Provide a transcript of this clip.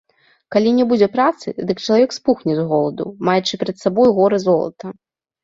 Калі не будзе працы, дык чалавек спухне з голаду, маючы перад сабою горы золата.